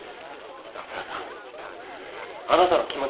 桂さんあなたの気持ちは分かる。